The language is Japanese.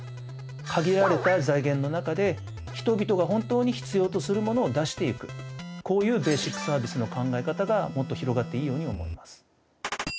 限られた財源の中で人々が本当に必要とするものを出していくこういうベーシックサービスの考え方がもっと広がっていいように思います。